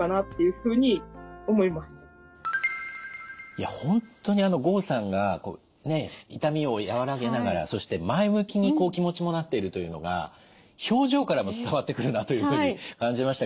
いや本当に郷さんが痛みを和らげながらそして前向きにこう気持ちもなっているというのが表情からも伝わってくるなというふうに感じましたけれども。